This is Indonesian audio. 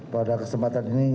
pada kesempatan ini